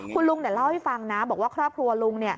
คุณลุงเล่าให้ฟังนะบอกว่าครอบครัวลุง